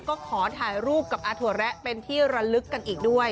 ก็ขอถ่ายรูปกับอาถั่วแระเป็นที่ระลึกกันอีกด้วย